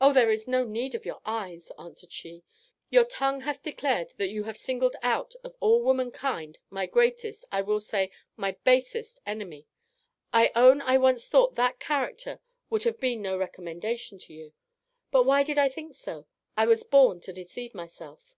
"'O! there is no need of your eyes' answered she; 'your tongue hath declared that you have singled out of all womankind my greatest, I will say, my basest enemy. I own I once thought that character would have been no recommendation to you; but why did I think so? I was born to deceive myself.